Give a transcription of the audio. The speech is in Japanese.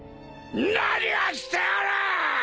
何をしておる！？